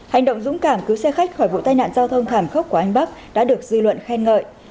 hành động dũng cảm cứu xe khách khỏi vụ tai nạn giao thông thảm khốc của anh bắc đã được dư luận khen ngợi